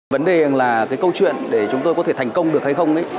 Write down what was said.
vấn đề là cái câu chuyện để chúng tôi có thể thành công được hay không